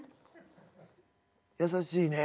優しいね。